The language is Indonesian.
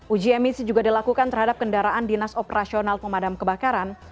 uji emisi juga dilakukan terhadap kendaraan dinas operasional pemadam kebakaran